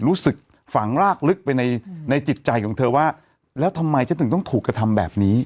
รู้สึกฝังรากลึกไปในจิตใจของเธอว่าแล้วทำไมฉันถึงต้องถูกกระทำแบบนี้